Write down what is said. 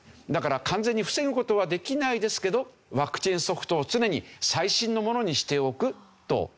だから完全に防ぐ事はできないですけどワクチンソフトを常に最新のものにしておくと。